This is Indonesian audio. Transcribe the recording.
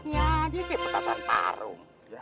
ini petasan parung